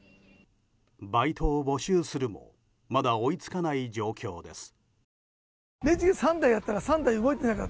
バイトを募集するもまだ追いつかない状況です。